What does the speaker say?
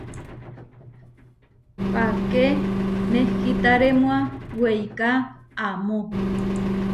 Páke nehitarémua weiká amó.